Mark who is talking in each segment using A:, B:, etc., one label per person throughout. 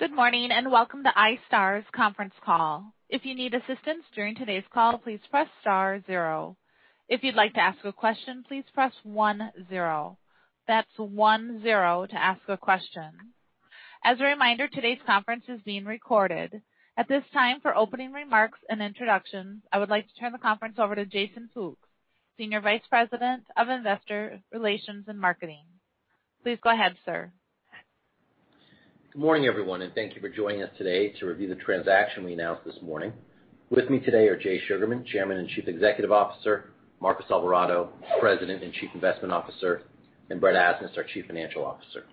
A: Good morning, and welcome to iStar's conference call. If you need assistance during today's call, please press star zero. If you'd like to ask a question, please Press one zero. That's one zero to ask a question. As a reminder, today's conference is being recorded. At this time, for opening remarks and introductions, I would like to turn the conference over to Jason Fooks, Senior Vice President of Investor Relations and Marketing. Please go ahead, sir.
B: Good morning, everyone, and thank you for joining us today to review the transaction we announced this morning. With me today are Jay Sugarman, Chairman and Chief Executive Officer, Marcos Alvarado, President and Chief Investment Officer, and Brett Asnas, our Chief Financial Officer.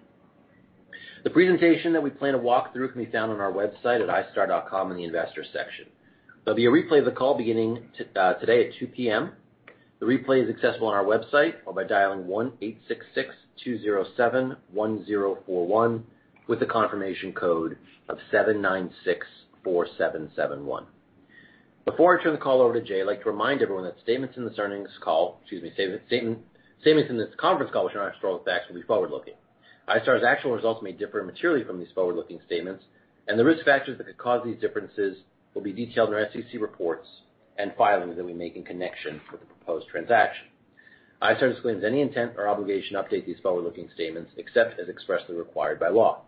B: The presentation that we plan to walk through can be found on our website at istar.com in the Investors section. There'll be a replay of the call beginning today at 2 P.M. The replay is accessible on our website or by dialing 1-866-207-1041 with a confirmation code of 7964771. Before I turn the call over to Jay, I'd like to remind everyone that statements in this conference call which are not historical facts will be forward-looking. iStar's actual results may differ materially from these forward-looking statements, and the risk factors that could cause these differences will be detailed in our SEC reports and filings that we make in connection with the proposed transaction. iStar disclaims any intent or obligation to update these forward-looking statements, except as expressly required by law.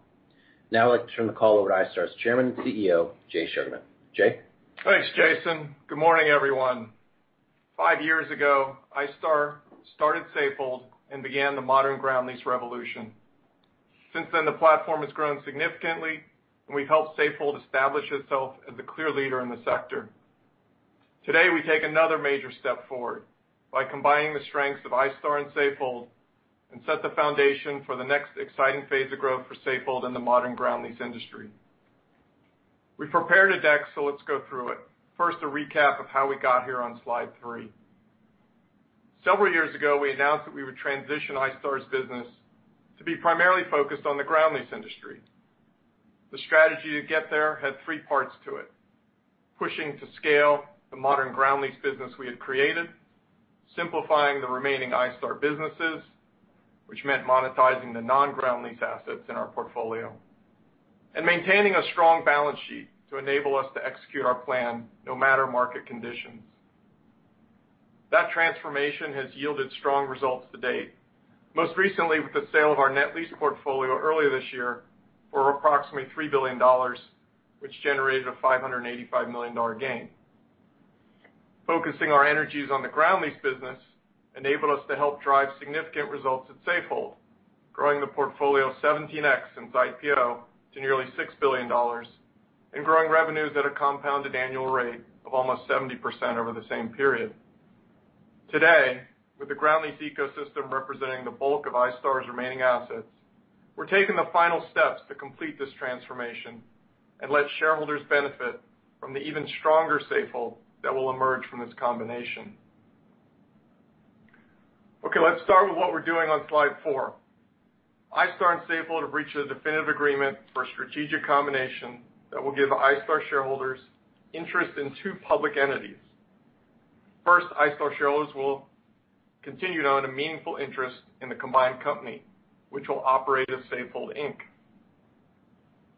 B: Now I'd like to turn the call over to iStar's Chairman and CEO, Jay Sugarman. Jay?
C: Thanks, Jason. Good morning, everyone. Five years ago, iStar started Safehold and began the modern ground lease revolution. Since then, the platform has grown significantly, and we've helped Safehold establish itself as the clear leader in the sector. Today, we take another major step forward by combining the strengths of iStar and Safehold and set the foundation for the next exciting phase of growth for Safehold in the modern ground lease industry. We've prepared a deck, so let's go through it. First, a recap of how we got here on slide three. Several years ago, we announced that we would transition iStar's business to be primarily focused on the ground lease industry. The strategy to get there had three parts to it, pushing to scale the modern ground lease business we had created, simplifying the remaining iStar businesses, which meant monetizing the non-ground lease assets in our portfolio, and maintaining a strong balance sheet to enable us to execute our plan no matter market conditions. That transformation has yielded strong results to date, most recently with the sale of our net lease portfolio earlier this year for approximately $3 billion, which generated a $585 million gain. Focusing our energies on the ground lease business enabled us to help drive significant results at Safehold, growing the portfolio 17x since IPO to nearly $6 billion and growing revenues at a compounded annual rate of almost 70% over the same period. Today, with the ground lease ecosystem representing the bulk of iStar's remaining assets, we're taking the final steps to complete this transformation and let shareholders benefit from the even stronger Safehold that will emerge from this combination. Okay, let's start with what we're doing on slide four. iStar and Safehold have reached a definitive agreement for a strategic combination that will give iStar shareholders interest in two public entities. First, iStar shareholders will continue to own a meaningful interest in the combined company, which will operate as Safehold, Inc.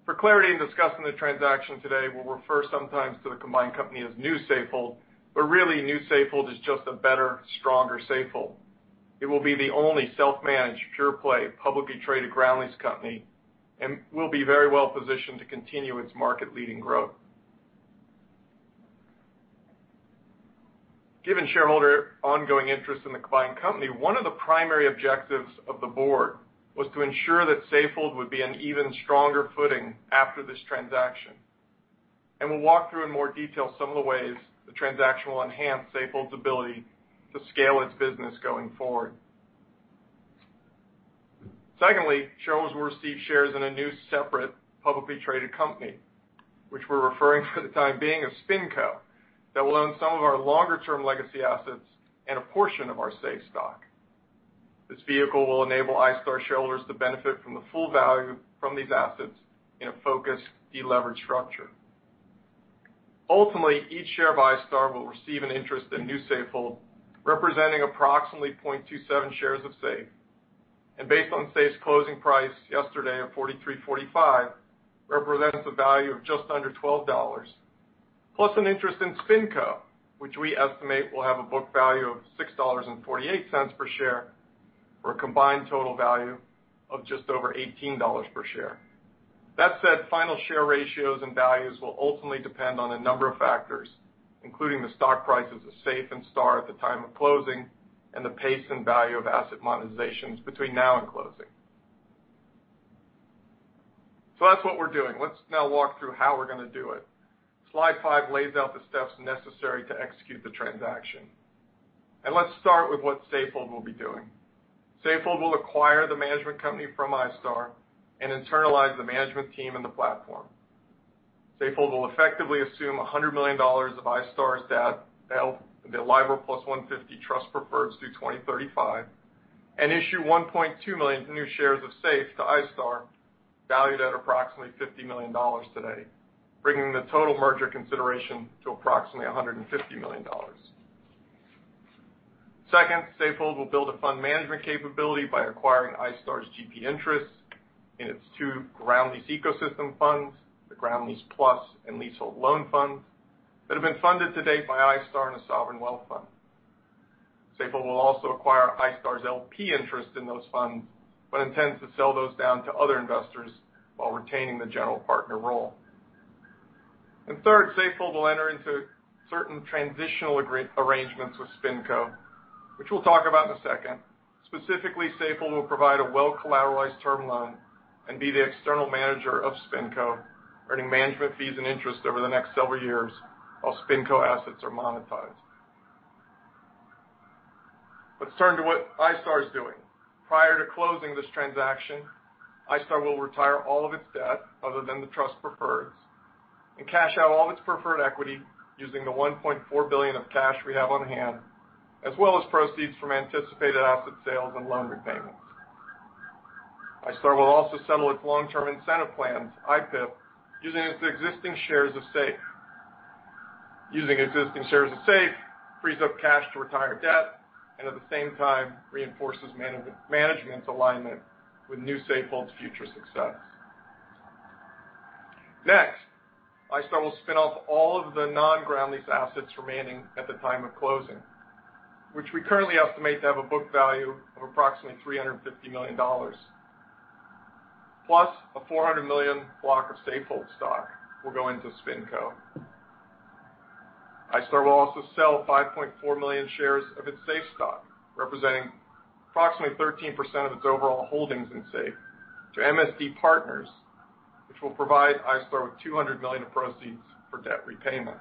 C: For clarity in discussing the transaction today, we'll refer sometimes to the combined company as New Safehold, but really, New Safehold is just a better, stronger Safehold. It will be the only self-managed, pure-play, publicly traded ground lease company and will be very well positioned to continue its market-leading growth. Given shareholders' ongoing interest in the combined company, one of the primary objectives of the board was to ensure that Safehold would be in even stronger footing after this transaction. We'll walk through in more detail some of the ways the transaction will enhance Safehold's ability to scale its business going forward. Secondly, shareholders will receive shares in a new, separate, publicly traded company, which we're referring for the time being as SpinCo, that will own some of our longer-term legacy assets and a portion of our SAFE stock. This vehicle will enable iStar shareholders to benefit from the full value from these assets in a focused, de-leveraged structure. Ultimately, each share of iStar will receive an interest in New Safehold, representing approximately 0.27 shares of SAFE. Based on SAFE's closing price yesterday of $43.45, represents a value of just under $12+ an interest in SpinCo, which we estimate will have a book value of $6.48 per share for a combined total value of just over $18 per share. That said, final share ratios and values will ultimately depend on a number of factors, including the stock prices of SAFE and iStar at the time of closing and the pace and value of asset monetizations between now and closing. That's what we're doing. Let's now walk through how we're gonna do it. Slide five lays out the steps necessary to execute the transaction. Let's start with what Safehold will be doing. Safehold will acquire the management company from iStar and internalize the management team and the platform. Safehold will effectively assume $100 million of iStar's debt, the LIBOR plus 150 trust preferreds due 2035, and issue 1.2 million new shares of SAFE to iStar, valued at approximately $50 million today, bringing the total merger consideration to approximately $150 million. Second, Safehold will build a fund management capability by acquiring iStar's GP interest in its two ground lease ecosystem funds, the Ground Lease Plus and Leasehold Loan Funds that have been funded to date by iStar and a sovereign wealth fund. Safehold will also acquire iStar's LP interest in those funds, but intends to sell those down to other investors while retaining the general partner role. Third, Safehold will enter into certain transitional arrangements with SpinCo, which we'll talk about in a second. Specifically, Safehold will provide a well-collateralized term loan and be the external manager of SpinCo, earning management fees and interest over the next several years while SpinCo assets are monetized. Let's turn to what iStar is doing. Prior to closing this transaction, iStar will retire all of its debt other than the trust preferreds and cash out all of its preferred equity using the $1.4 billion of cash we have on hand, as well as proceeds from anticipated asset sales and loan repayments. iStar will also settle its long-term incentive plans, iPIP, using its existing shares of SAFE. Using existing shares of SAFE frees up cash to retire debt and at the same time reinforces management's alignment with new Safehold's future success. Next, iStar will spin off all of the non-ground lease assets remaining at the time of closing, which we currently estimate to have a book value of approximately $350 million, plus a $400 million block of Safehold stock will go into SpinCo. iStar will also sell 5.4 million shares of its SAFE stock, representing approximately 13% of its overall holdings in SAFE to MSD Partners, which will provide iStar with $200 million of proceeds for debt repayment.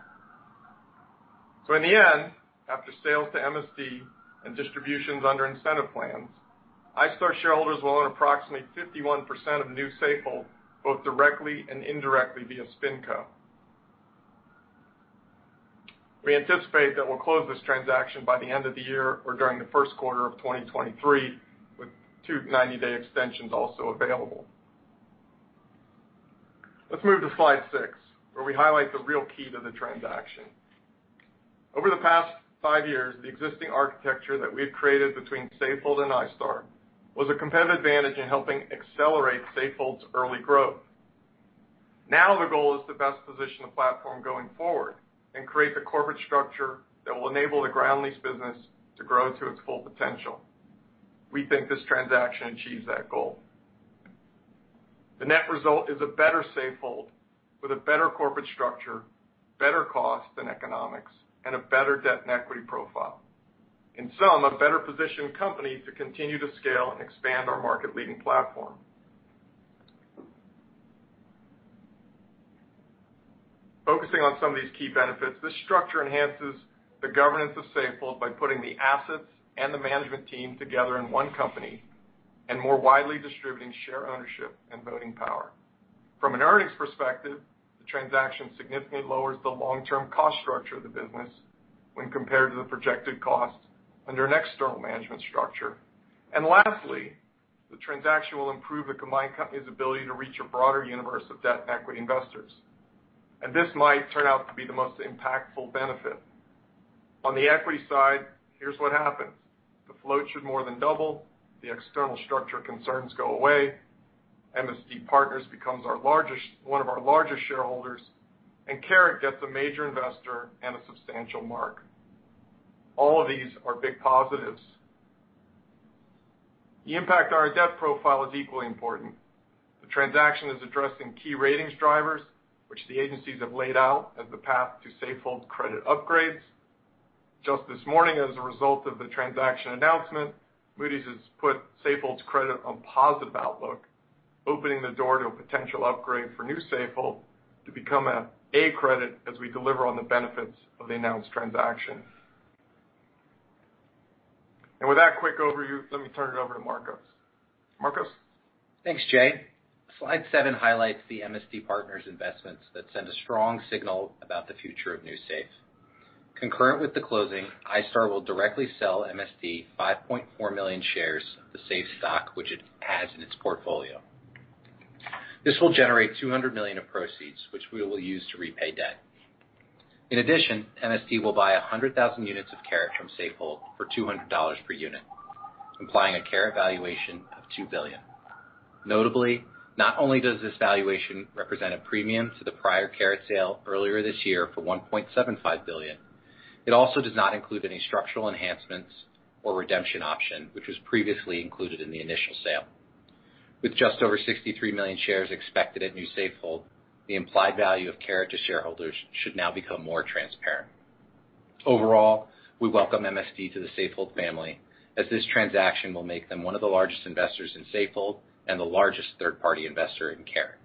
C: In the end, after sales to MSD and distributions under incentive plans, iStar shareholders will own approximately 51% of New Safehold, both directly and indirectly via SpinCo. We anticipate that we'll close this transaction by the end of the year or during the first quarter of 2023, with two 90-day extensions also available. Let's move to slide 6, where we highlight the real key to the transaction. Over the past 5 years, the existing architecture that we've created between Safehold and iStar was a competitive advantage in helping accelerate Safehold's early growth. Now, the goal is to best position the platform going forward and create the corporate structure that will enable the ground lease business to grow to its full potential. We think this transaction achieves that goal. The net result is a better Safehold with a better corporate structure, better cost and economics, and a better debt and equity profile. In sum, a better-positioned company to continue to scale and expand our market-leading platform. Focusing on some of these key benefits, this structure enhances the governance of Safehold by putting the assets and the management team together in one company and more widely distributing share ownership and voting power. From an earnings perspective, the transaction significantly lowers the long-term cost structure of the business when compared to the projected cost under an external management structure. Lastly, the transaction will improve the combined company's ability to reach a broader universe of debt and equity investors. This might turn out to be the most impactful benefit. On the equity side, here's what happens. The float should more than double. The external structure concerns go away. MSD Partners becomes one of our largest shareholders, and Caret gets a major investor and a substantial mark. All of these are big positives. The impact on our debt profile is equally important. The transaction is addressing key ratings drivers, which the agencies have laid out as the path to Safehold credit upgrades. Just this morning, as a result of the transaction announcement, Moody's has put Safehold's credit on positive outlook, opening the door to a potential upgrade for New Safehold to become an A credit as we deliver on the benefits of the announced transaction. With that quick overview, let me turn it over to Marcos. Marcos?
D: Thanks, Jay. Slide 7 highlights the MSD Partners' investments that send a strong signal about the future of New Safehold. Concurrent with the closing, iStar will directly sell MSD 5.4 million shares of the Safehold stock, which it has in its portfolio. This will generate $200 million of proceeds, which we will use to repay debt. In addition, MSD will buy 100,000 units of Caret from Safehold for $200 per unit, implying a Caret valuation of $2 billion. Notably, not only does this valuation represent a premium to the prior Caret sale earlier this year for $1.75 billion, it also does not include any structural enhancements or redemption option, which was previously included in the initial sale. With just over 63 million shares expected at New Safehold, the implied value of Caret to shareholders should now become more transparent. Overall, we welcome MSD to the Safehold family as this transaction will make them one of the largest investors in Safehold and the largest third-party investor in Caret.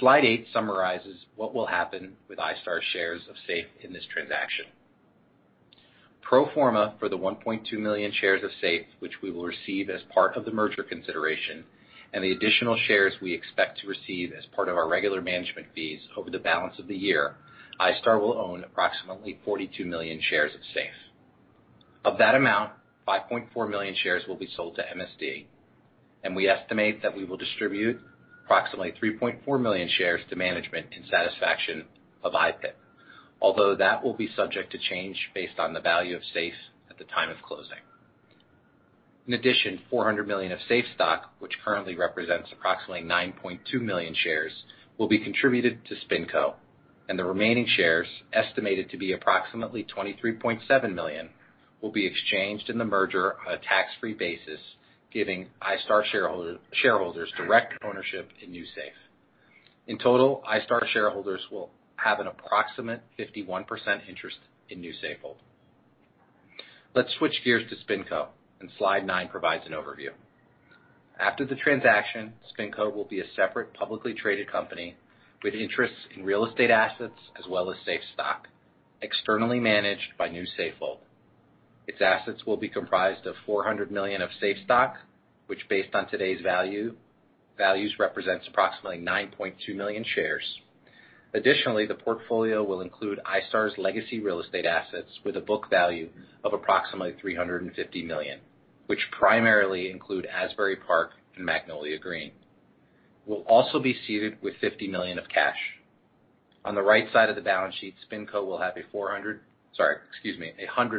D: Slide eight summarizes what will happen with iStar shares of SAFE in this transaction. Pro forma for the 1.2 million shares of SAFE, which we will receive as part of the merger consideration and the additional shares we expect to receive as part of our regular management fees over the balance of the year, iStar will own approximately 42 million shares of SAFE. Of that amount, 5.4 million shares will be sold to MSD. We estimate that we will distribute approximately 3.4 million shares to management in satisfaction of iPIP. Although that will be subject to change based on the value of SAFE at the time of closing. In addition, $400 million of SAFE stock, which currently represents approximately 9.2 million shares, will be contributed to SpinCo, and the remaining shares, estimated to be approximately 23.7 million, will be exchanged in the merger on a tax-free basis, giving iStar shareholders direct ownership in New Safehold. In total, iStar shareholders will have an approximate 51% interest in New Safehold. Let's switch gears to SpinCo, and slide 9 provides an overview. After the transaction, SpinCo will be a separate publicly traded company with interests in real estate assets as well as SAFE stock, externally managed by New Safehold. Its assets will be comprised of $400 million of SAFE stock, which, based on today's value, represents approximately 9.2 million shares. Additionally, the portfolio will include iStar's legacy real estate assets with a book value of approximately $350 million, which primarily include Asbury Park and Magnolia Green. We'll also be seeded with $50 million of cash. On the right side of the balance sheet, SpinCo will have a $100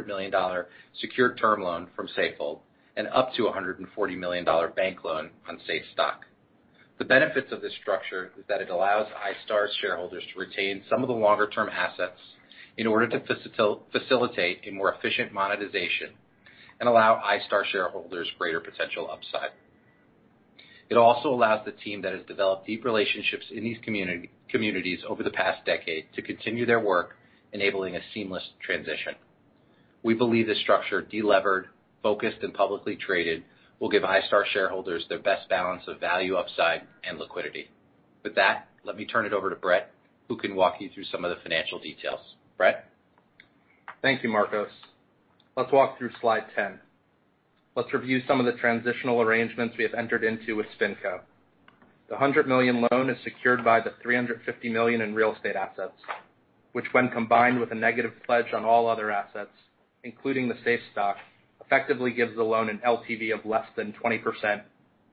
D: million secured term loan from Safehold and up to a $140 million bank loan on SAFE stock. The benefits of this structure is that it allows iStar shareholders to retain some of the longer-term assets in order to facilitate a more efficient monetization and allow iStar shareholders greater potential upside. It also allows the team that has developed deep relationships in these communities over the past decade to continue their work, enabling a seamless transition. We believe this structure, delevered, focused, and publicly traded, will give iStar shareholders their best balance of value upside and liquidity. With that, let me turn it over to Brett, who can walk you through some of the financial details. Brett?
E: Thank you, Marcos. Let's walk through slide 10. Let's review some of the transitional arrangements we have entered into with SpinCo. The $100 million loan is secured by the $350 million in real estate assets, which when combined with a negative pledge on all other assets, including the SAFE stock, effectively gives the loan an LTV of less than 20%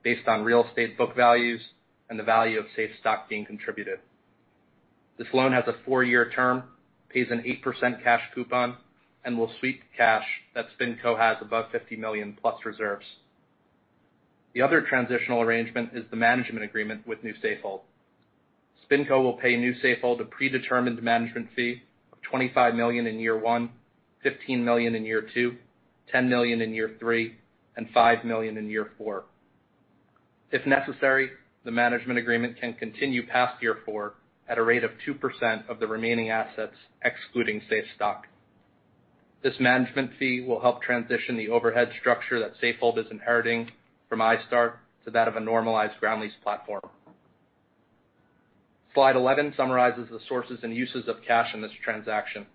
E: based on real estate book values and the value of SAFE stock being contributed. This loan has a four year term, pays an 8% cash coupon, and will sweep cash that SpinCo has above $50 million plus reserves. The other transitional arrangement is the management agreement with New Safehold. SpinCo will pay New Safehold a predetermined management fee of $25 million in year 1, $15 million in year 2, $10 million in year three, and $5 million in year four. If necessary, the management agreement can continue past year four at a rate of 2% of the remaining assets, excluding SAFE stock. This management fee will help transition the overhead structure that Safehold is inheriting from iStar to that of a normalized ground lease platform. Slide 11 summarizes the sources and uses of cash in this transaction.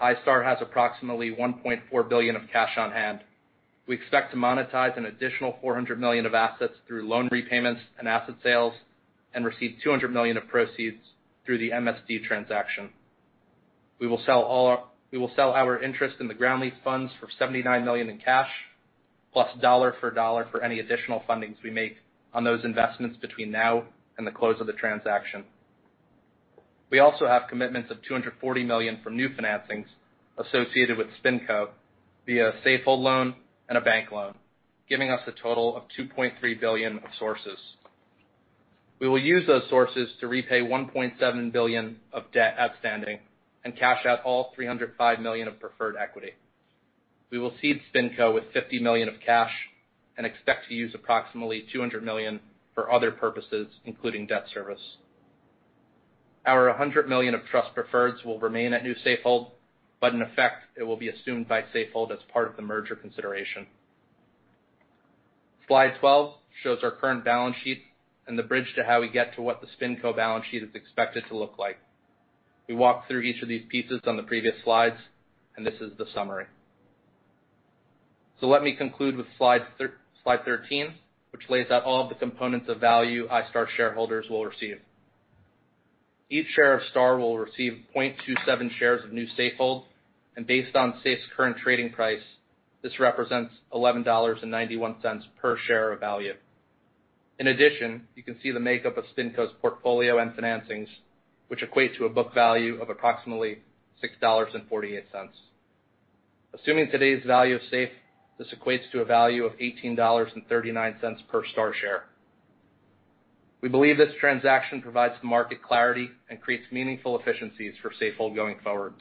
E: iStar has approximately $1.4 billion of cash on hand. We expect to monetize an additional $400 million of assets through loan repayments and asset sales and receive $200 million of proceeds through the MSD transaction. We will sell our interest in the ground lease funds for $79 million in cash, plus dollar for dollar for any additional fundings we make on those investments between now and the close of the transaction. We also have commitments of $240 million from new financings associated with SpinCo via a Safehold loan and a bank loan, giving us a total of $2.3 billion of sources. We will use those sources to repay $1.7 billion of debt outstanding and cash out all $305 million of preferred equity. We will seed SpinCo with $50 million of cash and expect to use approximately $200 million for other purposes, including debt service. Our $100 million of trust preferreds will remain at New Safehold, but in effect, it will be assumed by Safehold as part of the merger consideration. Slide 12 shows our current balance sheet and the bridge to how we get to what the SpinCo balance sheet is expected to look like. We walked through each of these pieces on the previous slides, and this is the summary. Let me conclude with slide 13, which lays out all of the components of value iStar shareholders will receive. Each share of STAR will receive 0.27 shares of New Safehold, and based on SAFE's current trading price, this represents $11.91 per share of value. In addition, you can see the makeup of SpinCo's portfolio and financings, which equate to a book value of approximately $6.48. Assuming today's value of SAFE, this equates to a value of $18.39 per STAR share. We believe this transaction provides market clarity and creates meaningful efficiencies for Safehold going forward.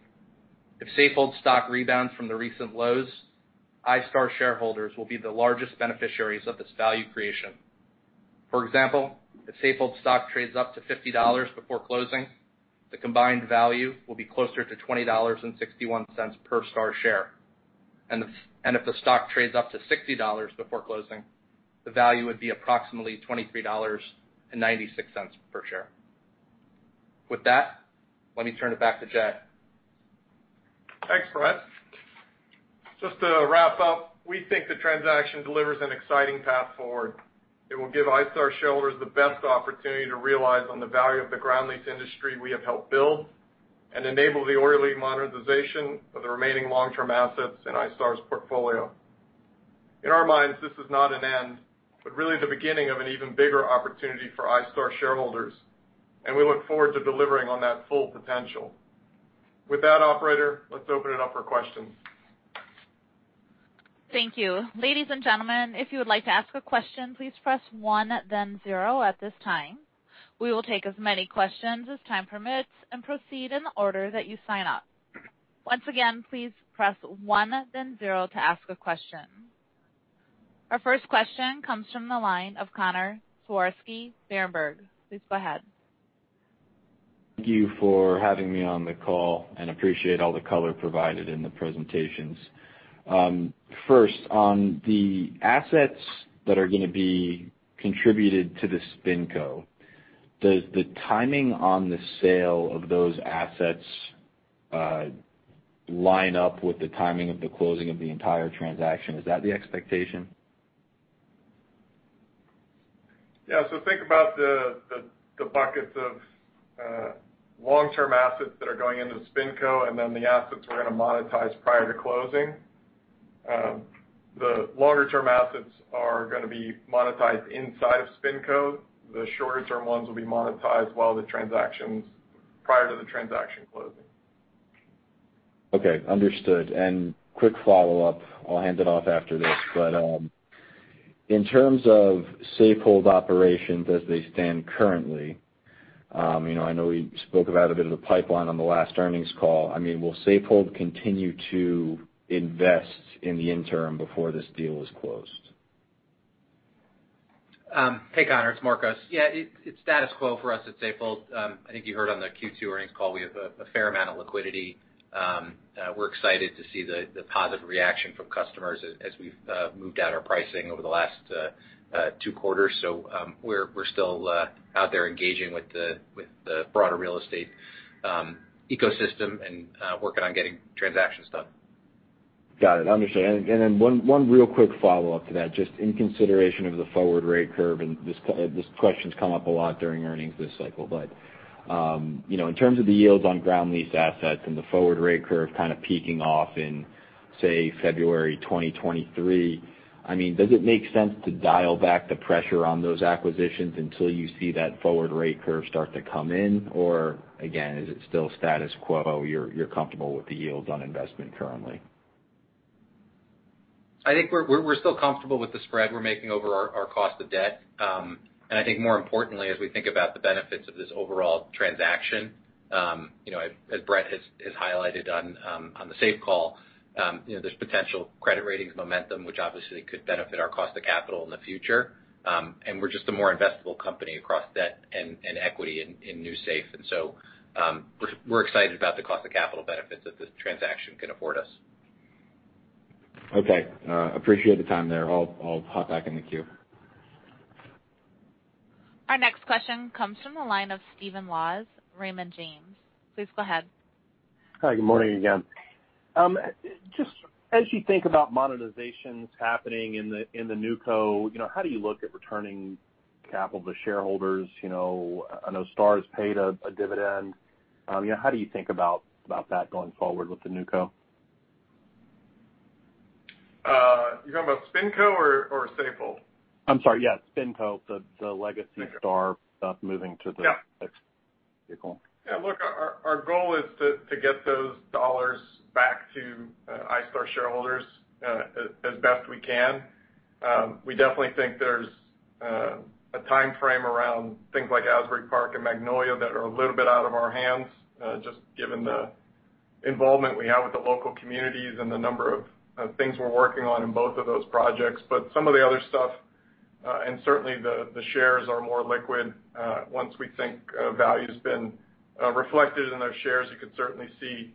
E: If Safehold's stock rebounds from the recent lows, iStar shareholders will be the largest beneficiaries of this value creation. For example, if Safehold's stock trades up to $50 before closing, the combined value will be closer to $20.61 per STAR share. If the stock trades up to $60 before closing, the value would be approximately $23.96 per share. With that, let me turn it back to Jay.
C: Thanks, Brett. Just to wrap up, we think the transaction delivers an exciting path forward. It will give iStar shareholders the best opportunity to realize on the value of the ground lease industry we have helped build. Enable the orderly monetization of the remaining long-term assets in iStar's portfolio. In our minds, this is not an end, but really the beginning of an even bigger opportunity for iStar shareholders, and we look forward to delivering on that full potential. With that, operator, let's open it up for questions.
A: Thank you. Ladies and gentlemen, if you would like to ask a question, please press one then zero at this time. We will take as many questions as time permits and proceed in the order that you sign up. Once again, please press one then zero to ask a question. Our first question comes from the line of Connor Siversky, Berenberg. Please go ahead.
F: Thank you for having me on the call, and appreciate all the color provided in the presentations. First, on the assets that are gonna be contributed to the SpinCo, does the timing on the sale of those assets line up with the timing of the closing of the entire transaction? Is that the expectation?
C: Think about the buckets of long-term assets that are going into the SpinCo and then the assets we're gonna monetize prior to closing. The longer term assets are gonna be monetized inside of SpinCo. The shorter term ones will be monetized prior to the transaction closing.
F: Okay. Understood. Quick follow-up, I'll hand it off after this. In terms of Safehold operations as they stand currently, you know, I know we spoke about a bit of the pipeline on the last earnings call. I mean, will Safehold continue to invest in the interim before this deal is closed?
D: Hey, Connor. It's Marcos. Yeah, it's status quo for us at Safehold. I think you heard on the Q2 earnings call, we have a fair amount of liquidity. We're excited to see the positive reaction from customers as we've moved out our pricing over the last two quarters. We're still out there engaging with the broader real estate ecosystem and working on getting transactions done.
F: Got it. Understood. Then one real quick follow-up to that, just in consideration of the forward rate curve, and this question's come up a lot during earnings this cycle, but you know, in terms of the yields on ground lease assets and the forward rate curve kind of peaking off in, say, February 2023, I mean, does it make sense to dial back the pressure on those acquisitions until you see that forward rate curve start to come in? Or again, is it still status quo, you're comfortable with the yields on investment currently?
D: I think we're still comfortable with the spread we're making over our cost of debt. I think more importantly, as we think about the benefits of this overall transaction, you know, as Brett has highlighted on the Safehold call, you know, there's potential credit ratings momentum, which obviously could benefit our cost of capital in the future. We're just a more investable company across debt and equity in new Safehold. We're excited about the cost of capital benefits that this transaction can afford us.
F: Okay. Appreciate the time there. I'll hop back in the queue.
A: Our next question comes from the line of Stephen Laws, Raymond James. Please go ahead.
G: Hi. Good morning again. Just as you think about monetizations happening in the new co, you know, how do you look at returning capital to shareholders? You know, I know iStar has paid a dividend. You know, how do you think about that going forward with the new co?
C: You talking about SpinCo or Safehold?
G: I'm sorry, yeah, SpinCo. The legacy iStar stuff moving to the
C: Yeah.
G: next vehicle.
C: Yeah. Look, our goal is to get those dollars back to iStar shareholders as best we can. We definitely think there's a timeframe around things like Asbury Park and Magnolia that are a little bit out of our hands just given the involvement we have with the local communities and the number of things we're working on in both of those projects. Some of the other stuff and certainly the shares are more liquid. Once we think value's been reflected in those shares, you could certainly see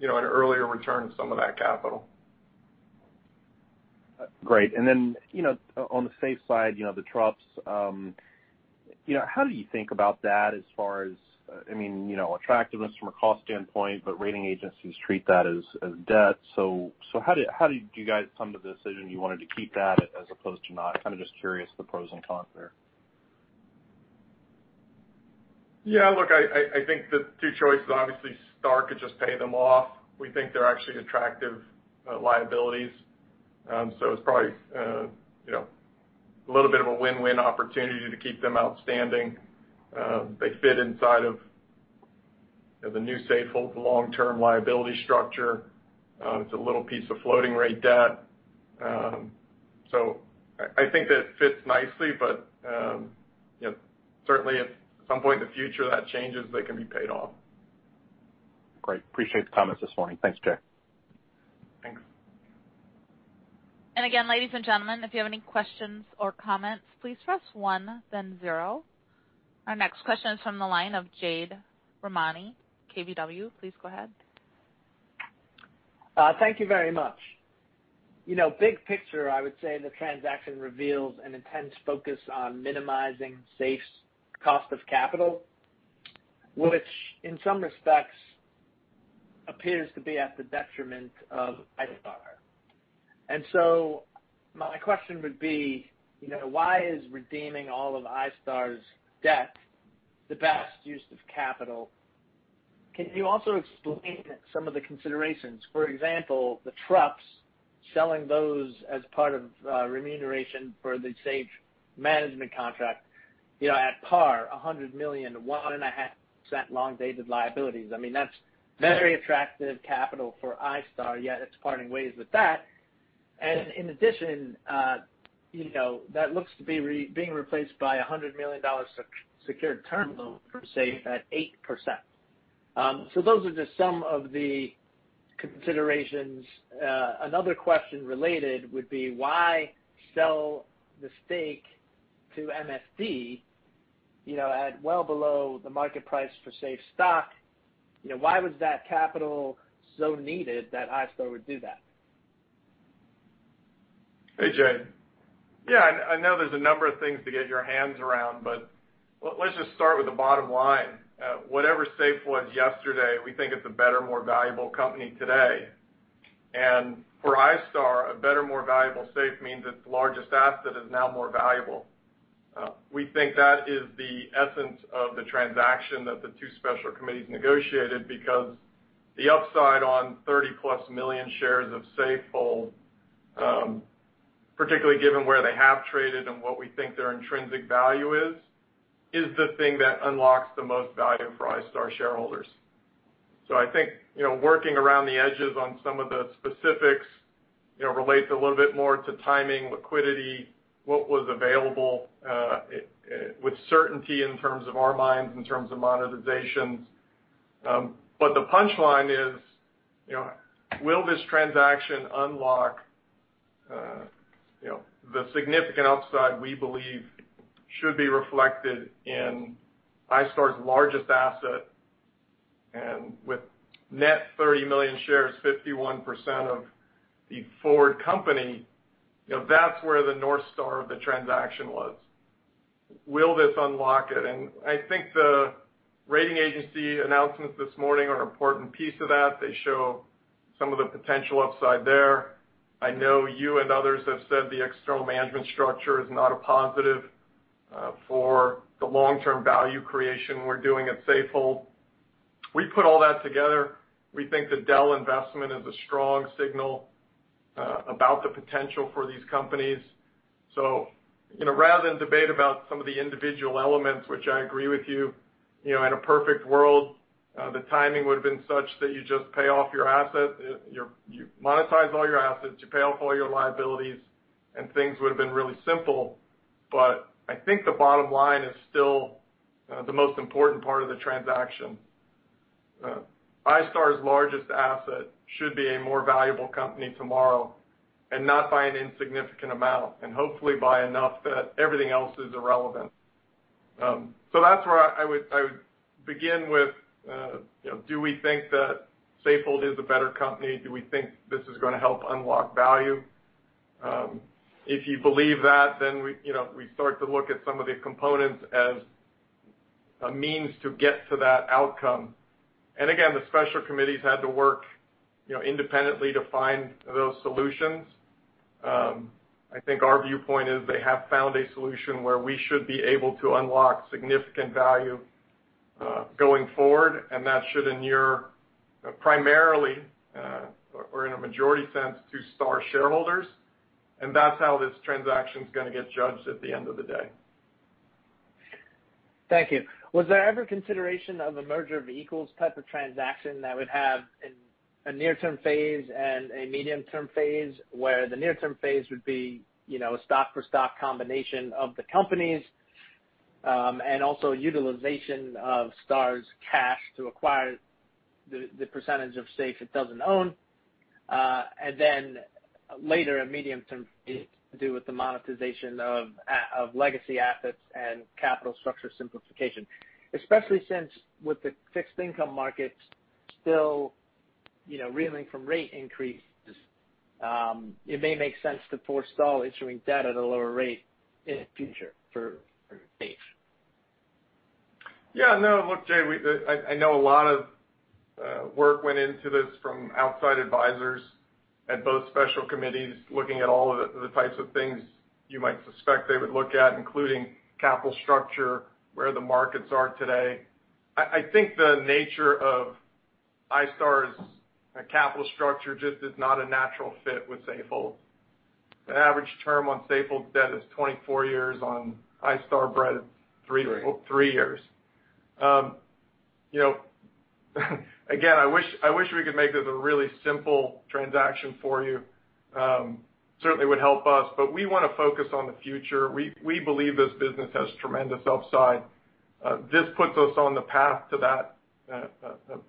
C: you know an earlier return of some of that capital.
G: Great. You know, on the Safe side, you know, the TruPS, you know, how do you think about that as far as, I mean, you know, attractiveness from a cost standpoint, but rating agencies treat that as debt. How did you guys come to the decision you wanted to keep that as opposed to not? Kind of just curious the pros and cons there.
C: Yeah. Look, I think the two choices, obviously, iStar could just pay them off. We think they're actually attractive liabilities. It's probably, you know, a little bit of a win-win opportunity to keep them outstanding. They fit inside of, you know, the new Safehold long-term liability structure. It's a little piece of floating rate debt. I think that it fits nicely, but, you know, certainly if at some point in the future that changes, they can be paid off.
G: Great. Appreciate the comments this morning. Thanks, Jay.
C: Thanks.
A: Again, ladies and gentlemen, if you have any questions or comments, please press one then zero. Our next question is from the line of Jade Rahmani, KBW. Please go ahead.
H: Thank you very much. You know, big picture, I would say the transaction reveals an intense focus on minimizing Safe's cost of capital, which in some respects appears to be at the detriment of iStar. My question would be, you know, why is redeeming all of iStar's debt the best use of capital? Can you also explain some of the considerations? For example, the TruPS, selling those as part of remuneration for the Safe management contract, you know, at par, $100 million at 1.5% long-dated liabilities. I mean, that's very attractive capital for iStar, yet it's parting ways with that. In addition, you know, that looks to be being replaced by a $100 million senior secured term loan for Safe at 8%. Those are just some of the considerations. Another question related would be why sell the stake to MSD, you know, at well below the market price for Safe stock? You know, why was that capital so needed that iStar would do that?
C: Hey, Jay. Yeah, I know there's a number of things to get your hands around, but let's just start with the bottom line. Whatever Safehold was yesterday, we think it's a better, more valuable company today. For iStar, a better, more valuable Safehold means its largest asset is now more valuable. We think that is the essence of the transaction that the two special committees negotiated because the upside on 30+ million shares of Safehold, particularly given where they have traded and what we think their intrinsic value is the thing that unlocks the most value for iStar shareholders. I think, you know, working around the edges on some of the specifics, you know, relates a little bit more to timing, liquidity, what was available with certainty in terms of our minds, in terms of monetizations. The punchline is, you know, will this transaction unlock, you know, the significant upside we believe should be reflected in iStar's largest asset, and with net 30 million shares, 51% of the forward company, you know, that's where the north star of the transaction was. Will this unlock it? I think the rating agency announcements this morning are an important piece of that. They show some of the potential upside there. I know you and others have said the external management structure is not a positive for the long-term value creation we're doing at Safehold. We put all that together. We think the Dell investment is a strong signal about the potential for these companies. You know, rather than debate about some of the individual elements, which I agree with you know, in a perfect world, the timing would have been such that you just pay off your asset, you monetize all your assets, you pay off all your liabilities, and things would have been really simple. I think the bottom line is still the most important part of the transaction. iStar's largest asset should be a more valuable company tomorrow and not by an insignificant amount, and hopefully by enough that everything else is irrelevant. That's where I would begin with, you know, do we think that Safehold is a better company? Do we think this is gonna help unlock value? If you believe that, then we, you know, we start to look at some of the components as a means to get to that outcome. Again, the special committees had to work, you know, independently to find those solutions. I think our viewpoint is they have found a solution where we should be able to unlock significant value, going forward, and that should inure primarily, or in a majority sense to Star shareholders. That's how this transaction is gonna get judged at the end of the day.
H: Thank you. Was there ever consideration of a merger of equals type of transaction that would have a near-term phase and a medium-term phase, where the near-term phase would be, you know, a stock for stock combination of the companies, and also utilization of iStar's cash to acquire the percentage of Safehold it doesn't own, and then later a medium-term phase to do with the monetization of of legacy assets and capital structure simplification? Especially since with the fixed income markets still, you know, reeling from rate increases, it may make sense to forestall issuing debt at a lower rate in future for Safehold.
C: Yeah, no, look, Jay, I know a lot of work went into this from outside advisors at both special committees, looking at all of the types of things you might suspect they would look at, including capital structure, where the markets are today. I think the nature of iStar's capital structure just is not a natural fit with Safehold. The average term on Safehold's debt is 24 years. On iStar's debt, three-
H: Three...
C: three years. You know, again, I wish we could make this a really simple transaction for you. Certainly would help us, but we wanna focus on the future. We believe this business has tremendous upside. This puts us on the path to that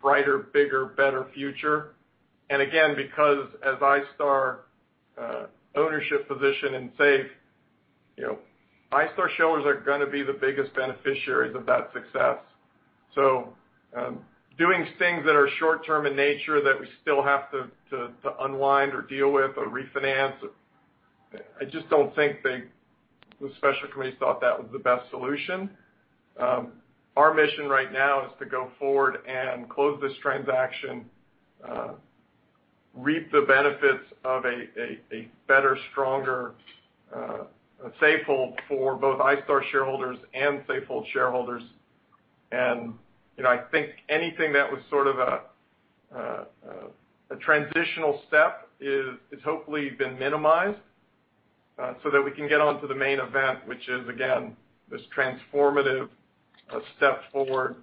C: brighter, bigger, better future. Again, because as iStar ownership position in Safehold, you know, iStar shareholders are gonna be the biggest beneficiaries of that success. Doing things that are short-term in nature that we still have to to unwind or deal with or refinance or I just don't think they, the special committee thought that was the best solution. Our mission right now is to go forward and close this transaction, reap the benefits of a better, stronger Safehold for both iStar shareholders and Safehold shareholders. You know, I think anything that was sort of a transitional step is hopefully been minimized, so that we can get on to the main event, which is again this transformative step forward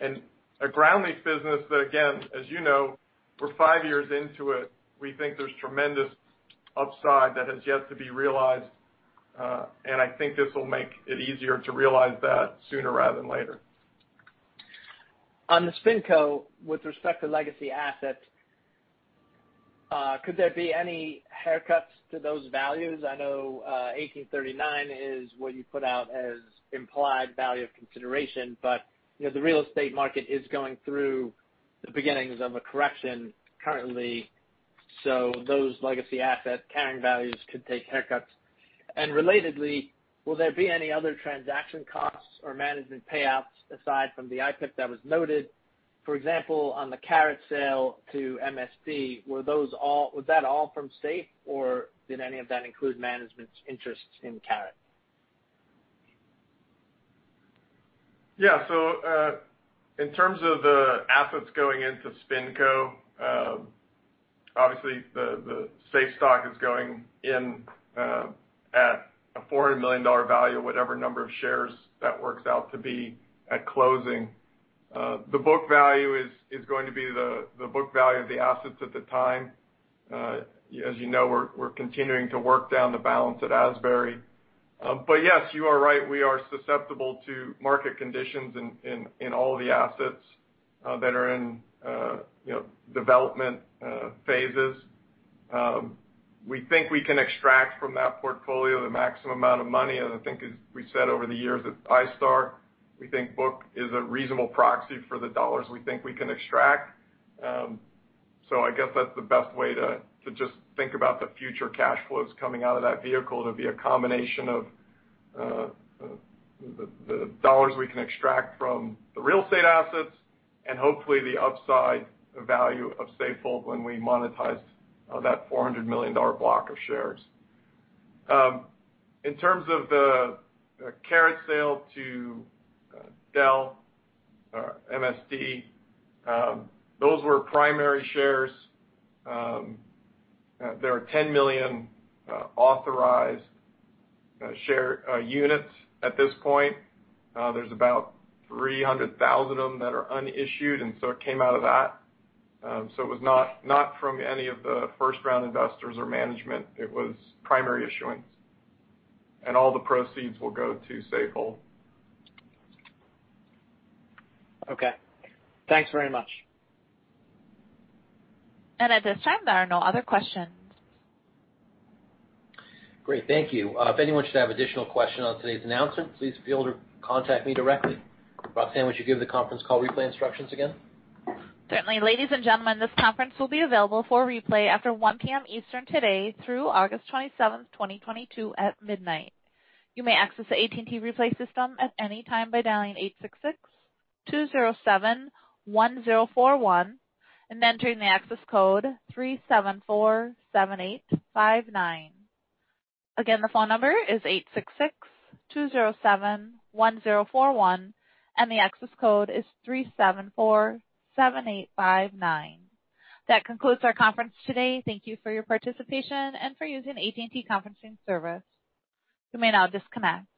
C: and a ground lease business that again, as you know, we're five years into it. We think there's tremendous upside that has yet to be realized, and I think this will make it easier to realize that sooner rather than later.
H: On the SpinCo with respect to legacy assets, could there be any haircuts to those values? I know, $18.39 is what you put out as implied value of consideration, but, you know, the real estate market is going through the beginnings of a correction currently. Those legacy asset carrying values could take haircuts. Relatedly, will there be any other transaction costs or management payouts aside from the iPIP that was noted? For example, on the Caret sale to MSD, was that all from Safe, or did any of that include management's interest in Caret?
C: Yeah. In terms of the assets going into SpinCo, obviously the Safehold stock is going in, at a $400 million value, whatever number of shares that works out to be at closing. The book value is going to be the book value of the assets at the time. As you know, we're continuing to work down the balance at Asbury. But yes, you are right, we are susceptible to market conditions in all of the assets that are in, you know, development phases. We think we can extract from that portfolio the maximum amount of money. I think as we said over the years at iStar, we think book is a reasonable proxy for the dollars we think we can extract. I guess that's the best way to just think about the future cash flows coming out of that vehicle. It'll be a combination of the dollars we can extract from the real estate assets and hopefully the upside value of Safehold when we monetize that $400 million block of shares. In terms of the Caret sale to Dell or MSD, those were primary shares. There are 10 million authorized units at this point. There's about 300,000 of them that are unissued, and so it came out of that. It was not from any of the first-round investors or management. It was primary issuance, and all the proceeds will go to Safehold.
H: Okay. Thanks very much.
A: At this time, there are no other questions.
C: Great. Thank you. If anyone should have additional questions on today's announcement, please feel free to contact me directly. Roxanne, would you give the conference call replay instructions again?
A: Certainly. Ladies and gentlemen, this conference will be available for replay after 1 P.M. Eastern today through August 27, 2022 at midnight. You may access the AT&T replay system at any time by dialing 866-207-1041 and entering the access code 3747859. Again, the phone number is 866-207-1041, and the access code is 3747859. That concludes our conference today. Thank you for your participation and for using AT&T conferencing service. You may now disconnect.